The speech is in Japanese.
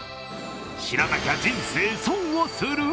知らなきゃ人生、損をする？